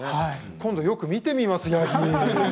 今度、よく見てみますヤギ。